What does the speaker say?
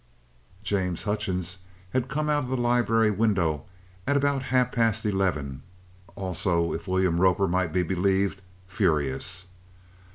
James Hutchings had come out of the library window at about half past eleven, also, if William Roper might be believed, furious.